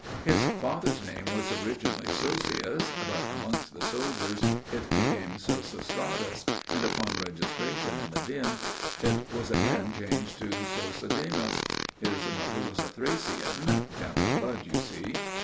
"His father's name was originally Sosias, but amongst the soldiers it became Sosistratus, and upon registration in the deme, it was again changed to Sosidemus. His mother was a Thracian,—gentle blood! you see.